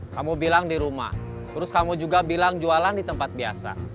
kamu bilang di rumah terus kamu juga bilang jualan di tempat biasa